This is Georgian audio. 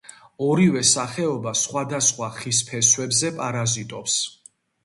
ორივე სახეობა სხვადასხვა ხის ფესვებზე პარაზიტობს.